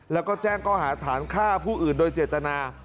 และแจ้งกร้องหาฐานข้าวผู้อื่นโดยเจตนา